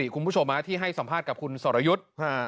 คุณผู้ชมที่ให้สัมภาษณ์กับคุณสรยุทธ์